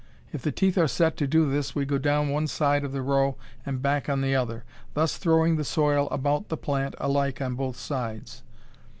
If the teeth are set to do this we go down one side of the row and back on the other, thus throwing the soil about the plant alike on both sides.